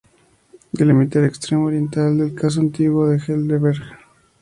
Delimita el extremo oriental del casco antiguo de Heidelberg.